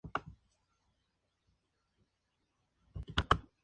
El resultado es un sistema ponderado a favor de estados más pequeños.